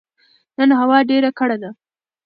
نن هوا ډيره کړه ده